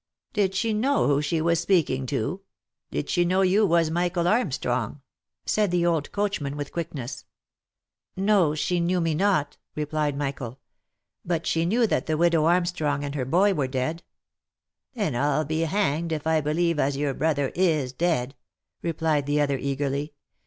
" Did she know who she was speaking to ? Did she know you was Michael Armstrong?" said the old coachman with quickness. " No, she knew me not," replied Michael ;" but she knew that the widow Armstrong and her boy were dead/' " Then I'll be hanged if I believe as your brother is dead," replied the other eagerly.